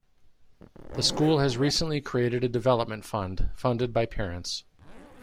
The school has recently created a development fund, funded by parents.